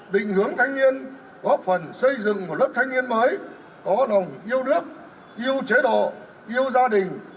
định hướng thanh niên góp phần xây dựng một lớp thanh niên mới có nồng yêu nước yêu chế độ yêu gia đình